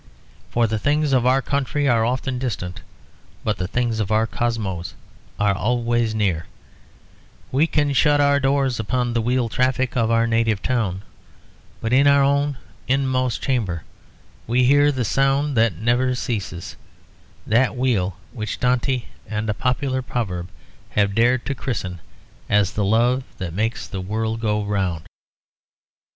For the things of our country are often distant; but the things of our cosmos are always near; we can shut our doors upon the wheeled traffic of our native town; but in our own inmost chamber we hear the sound that never ceases; that wheel which Dante and a popular proverb have dared to christen as the love that makes the world go round.